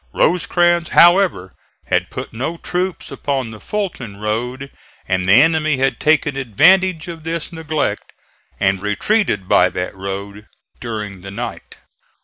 Rosecrans, however, had put no troops upon the Fulton road, and the enemy had taken advantage of this neglect and retreated by that road during the night.